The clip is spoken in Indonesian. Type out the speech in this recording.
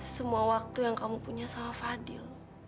semua waktu yang kamu punya sama fadil